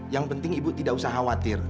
yang penting ibu tidak usah khawatir